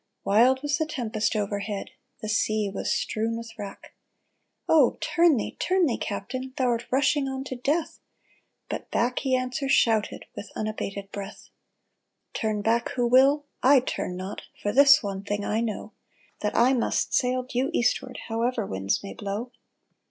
Wild was the tempest overhead, The sea was strewn with wrack. " Oh, turn thee, turn thee, captain, Thou'rt rushing on to death !" But back he answer shouted, With unabated breath :" Turn back who will, I turn not! For this one thing I know, That I must sail due eastward However winds may blow